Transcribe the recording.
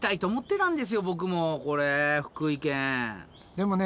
でもね